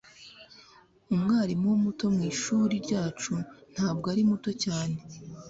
umwarimu muto mwishuri ryacu ntabwo ari muto cyane